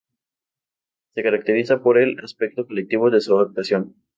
Se caracteriza por el aspecto colectivo de su actuación.